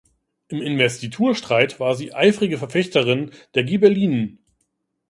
Im Investiturstreit war sie eifrige Verfechterin der Ghibellinen.